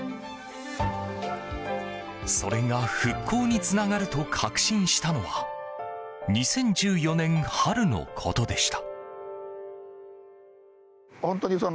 それが復興につながると確信したのは２０１４年春のことでした。